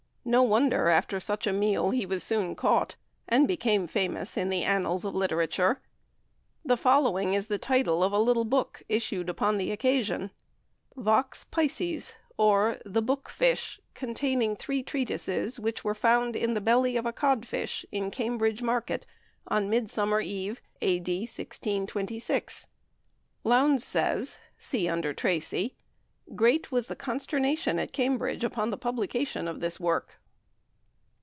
No wonder, after such a meal, he was soon caught, and became famous in the annals of literature. The following is the title of a little book issued upon the occasion: "Vox Piscis, or the Book Fish containing Three Treatises, which were found in the belly of a Cod Fish in Cambridge Market on Midsummer Eve, AD 1626." Lowndes says (see under "Tracey,") "great was the consternation at Cambridge upon the publication of this work."